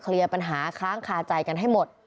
เคลียร์ปัญหาค้างคาใจกันให้หมด